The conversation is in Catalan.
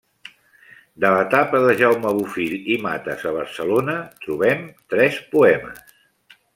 De l’etapa de Jaume Bofill i Mates a Barcelona trobem tres poemes.